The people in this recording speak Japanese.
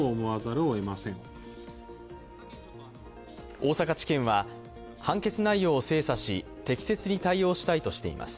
大阪地検は判決内容を精査し、適切に対応したいとしています。